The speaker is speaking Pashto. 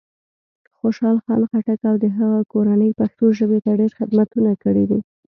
خوشال خان خټک او د هغه کورنۍ پښتو ژبې ته ډېر خدمتونه کړي دی.